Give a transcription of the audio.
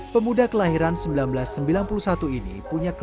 pemuda kelahiran sembilan belas seminggu